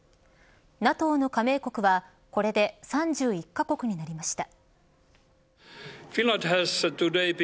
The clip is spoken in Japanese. ＮＡＴＯの加盟国はこれで３１カ国になりました。